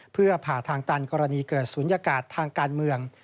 เพื่อผ่าทางตันกรณีเกิดศูนยากาศทางการเมือง